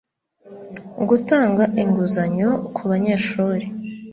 gutanga inguzanyo ku banyeshuri